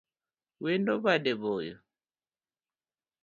Wendo bade boyo